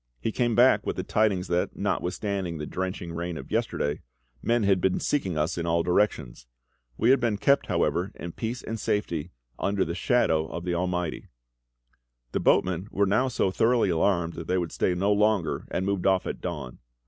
He came back with the tidings that, notwithstanding the drenching rain of yesterday, men had been seeking us in all directions. We had been kept, however, in peace and safety "under the shadow of the Almighty." The boatmen were now so thoroughly alarmed that they would stay no longer, and moved off at dawn.